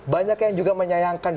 banyak yang juga menyayangi